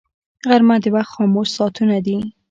غرمه د وخت خاموش ساعتونه دي